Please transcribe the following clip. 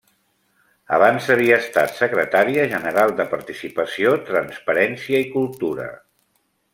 Abans havia estat secretària general de Participació, Transparència i Cultura.